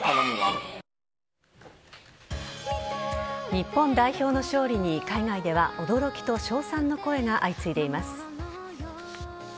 日本代表の勝利に海外では驚きと称賛の声が相次いでいます。